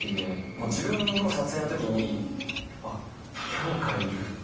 もう自分も撮影のときに、あっ、羌かいいる！